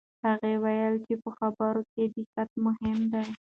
هغه وایي چې په خبرونو کې دقت مهم دی.